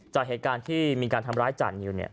จ่ายเหตุการณ์ที่มีการทำร้ายจันทร์อยู่